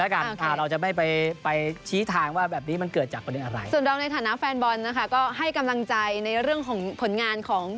ก็เก็บไว้เป็นอีกเรื่องนึง